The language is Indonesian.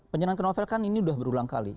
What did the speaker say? penyerangan novel kan ini udah berulang kali